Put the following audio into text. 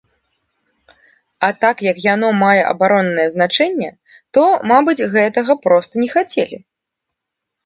А так як яно мае абароннае значэнне, то, мабыць, гэтага проста не хацелі.